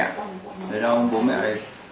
thế đâu bố mẹ thì